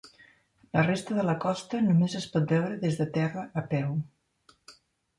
La resta de la costa només es pot veure des de terra a peu.